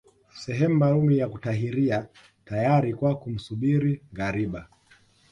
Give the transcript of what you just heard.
Sehemu maalumu ya kutahiria tayari kwa kumsubiri ngariba